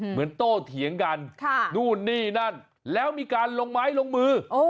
โตเถียงกันนู่นนี่นั่นแล้วมีการลงไม้ลงมือ